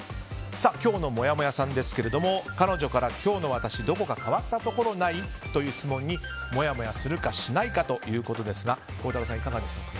今日のもやもやさんですけど彼女から、今日の私、どこか変わったところない？という質問に、もやもやするかしないかということですが孝太郎さん、いかがでしょうか？